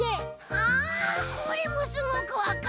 あこれもすごくわかる。